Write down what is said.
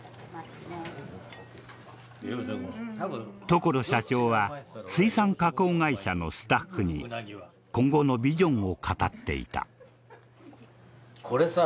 所社長は水産加工会社のスタッフに今後のビジョンを語っていた。